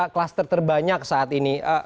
kluster terbanyak saat ini